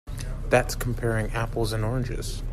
That's comparing apples and oranges.